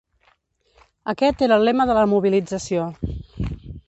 Aquest era el lema de la mobilització.